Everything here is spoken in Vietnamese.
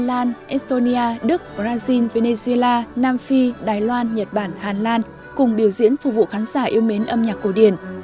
họ đến từ việt nam estonia đức brazil venezuela nam phi đài loan nhật bản hàn lan cùng biểu diễn phục vụ khán giả yêu mến âm nhạc khổ điển